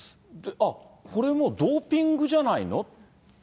あっ、これもうドーピングじゃないの？